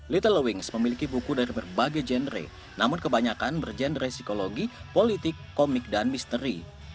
littlewings memiliki buku dari berbagai genre namun kebanyakan berjenre psikologi politik komik dan misteri